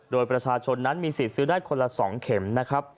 โดยประชาชนนั้นมีสิทธิ์ซื้อได้คนละ๒เข็มนะครับ